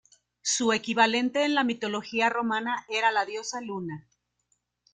Su equivalente en la mitología romana era la diosa Luna.